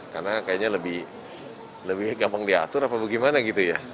karena kayaknya lebih lebih gampang diatur apa bagaimana gitu ya